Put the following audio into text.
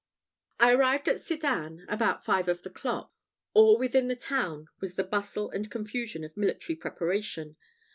I arrived at Sedan about five of the clock. All within the town was the bustle and confusion of military preparation.